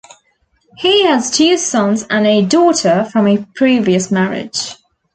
He has two sons and a daughter from a previous marriage.